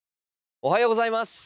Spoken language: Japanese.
おはようございます。